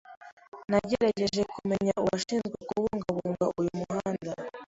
Nagerageje kumenya uwashinzwe kubungabunga uyu muhanda.